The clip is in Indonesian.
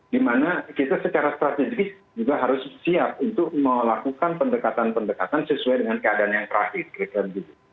dimana kita secara strategis juga harus siap untuk melakukan pendekatan pendekatan sesuai dengan keadaan yang terakhir kira kira begitu